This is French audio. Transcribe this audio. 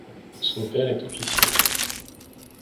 Son père est officier.